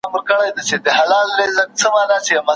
د مرګ غېږ ته ورغلی یې نادانه